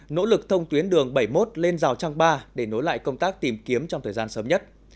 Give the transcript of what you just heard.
nỗ lực thông tuyến đường bảy mươi một lên rào trang ba để nối lại công tác tìm kiếm trong thời gian sớm nhất